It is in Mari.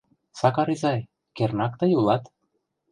— Сакар изай, кернак тый улат?